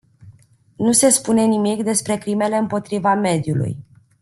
Nu se spune nimic despre crimele împotriva mediului.